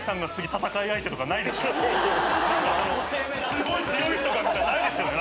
すごい強い人がとかないですよね。